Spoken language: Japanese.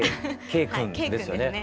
Ｋくんですよね。